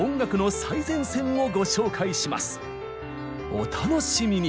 お楽しみに！